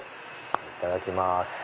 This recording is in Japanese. いただきます。